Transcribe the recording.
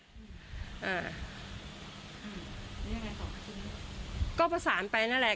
แล้วยังไงต่อกับคุณเนี้ยก็ประสานไปนั่นแหละ